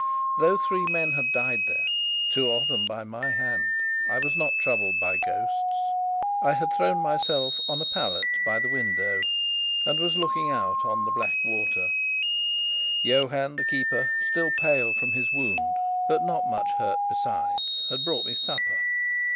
Though three men had died there two of them by my hand I was not troubled by ghosts. I had thrown myself on a pallet by the window, and was looking out on the black water; Johann, the keeper, still pale from his wound, but not much hurt besides, had brought me supper.